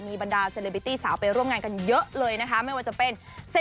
บรรดาเซเลบิตี้สาวไปร่วมงานกันเยอะเลยนะคะไม่ว่าจะเป็น